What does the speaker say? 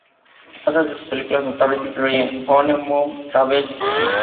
Otras de sus películas notables incluyen "Honeymoon Travels Pvt.